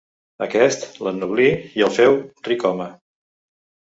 Aquest l'ennoblí i el féu ric-home.